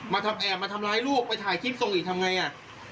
แอบมาทำร้ายลูกไปถ่ายคลิปส่งอีกทำไงอ่ะ